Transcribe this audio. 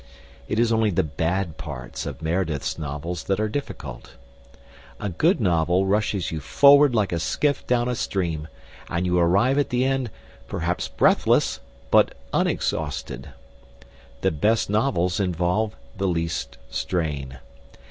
It is only the bad parts of Meredith's novels that are difficult. A good novel rushes you forward like a skiff down a stream, and you arrive at the end, perhaps breathless, but unexhausted. The best novels involve the least strain.